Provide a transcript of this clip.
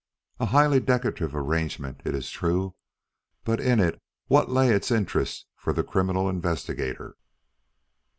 A highly decorative arrangement, it is true, but in what lay its interest for the criminal investigator?